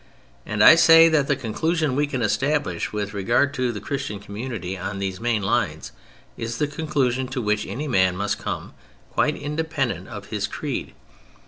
And I say that the conclusion we can establish with regard to the Christian community on these main lines is the conclusion to which any man must come quite independently of his creed.